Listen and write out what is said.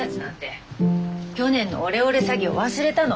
去年のオレオレ詐欺を忘れたの？